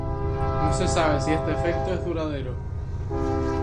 No se sabe si este efecto es duradero.